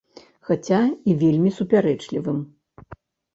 Хаця і вельмі супярэчлівым.